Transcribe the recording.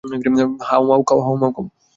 How মাউ খাউ!